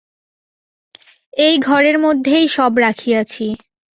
এই ঘরের মধ্যেই সব রাখিয়াছি।